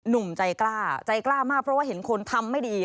หนุ่มใจกล้าใจกล้ามากเพราะว่าเห็นคนทำไม่ดี